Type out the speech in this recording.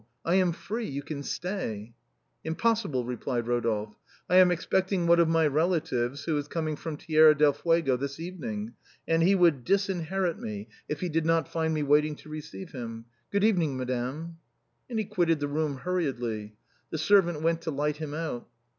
I am free, you can stay." " Impossible," replied Eodolphe, " I am expecting one of my relatives who is coming from Terra del Fuego this even ing, and he would disinherit me if he did not find me wait ing to receive him. Good evening, madame." And he quitted the room hurriedly. The servant went to light him out.